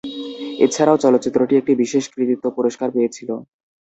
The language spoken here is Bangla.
এছাড়াও, চলচ্চিত্রটি একটি বিশেষ কৃতিত্ব পুরস্কার পেয়েছিল।